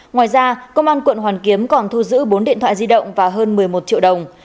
ngoài ra công an quận hoàn kiếm còn thu giữ bốn điện thoại di động và hơn một mươi một triệu đồng